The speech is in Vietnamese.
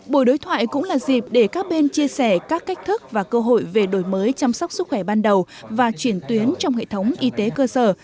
buổi đối thoại cũng là dịp để các bên chia sẻ các cách thức và cơ hội về đổi mới chăm sóc sức khỏe ban đầu và chuyển tuyến trong hệ thống y tế cơ sở